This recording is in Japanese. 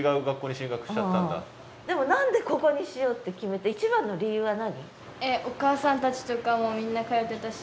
でも何でここにしようって決めた一番の理由は何？